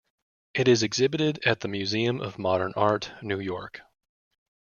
It is exhibited at the Museum of Modern Art, New York.